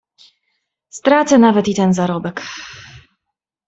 "Stracę nawet i ten zarobek."